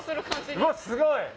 うわすごい。